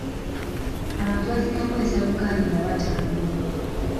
Abantu basinga kukozesa bugaali nga batambula.